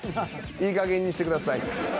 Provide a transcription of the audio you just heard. いいかげんにしてください。